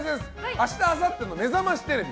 明日あさっての「めざましテレビ」。